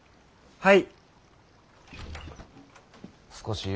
はい。